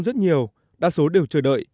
rất nhiều đa số đều chờ đợi